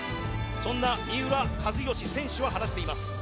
そんな三浦知良選手は話します。